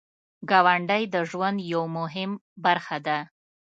ګاونډی د ژوند یو مهم برخه ده